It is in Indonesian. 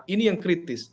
ini yang kritis